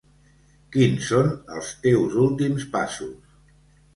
Quins són els teus últims passos?